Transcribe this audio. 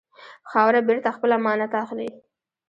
خاوره بېرته خپل امانت اخلي.